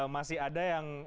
masih ada yang